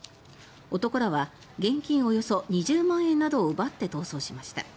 男らは現金およそ２０万円などを奪って逃走しました。